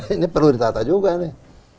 ini perlu ditata juga nih